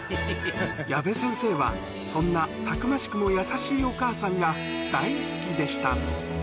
矢部先生は、そんなたくましくも優しいお母さんが大好きでした。